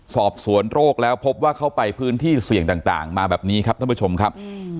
สอบสวนโรคแล้วพบว่าเขาไปพื้นที่เสี่ยงต่างมาแบบนี้ครับท่านผู้ชมครับ